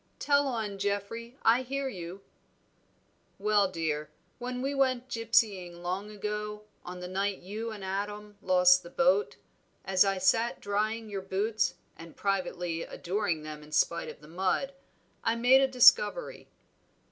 "Tell on, Geoffrey, I hear you." "Well, dear, when we went gypsying long ago, on the night you and Adam lost the boat, as I sat drying your boots, and privately adoring them in spite of the mud, I made a discovery.